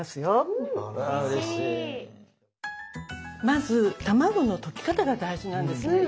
まず卵の溶き方が大事なんですね。